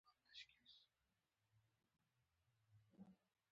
په افغانستان کې د خوړو نړیوال سازمان